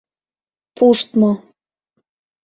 Пуштмо.